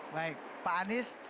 baik pak anies